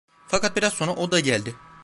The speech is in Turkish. Fakat biraz sonra o da geldi.